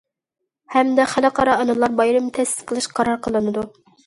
ھەمدە خەلقئارا ئانىلار بايرىمى تەسىس قىلىش قارار قىلىنىدۇ.